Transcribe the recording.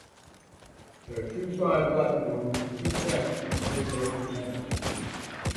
There are two side platforms with two tracks on the first basement level.